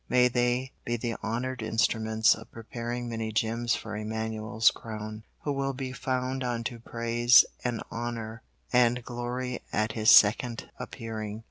May they be the honored instruments of preparing many gems for Immanuel's crown, who will be found unto praise and honor and glory at His second appearing.